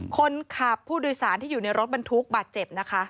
คนขับผู้โดยสารที่อยู่ในรถบรรทุกบาดเจ็บนะคะ